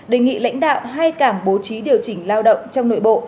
đề nghị lãnh đạo hay cảm bố trí điều chỉnh lao động trong nội bộ